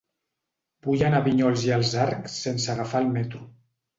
Vull anar a Vinyols i els Arcs sense agafar el metro.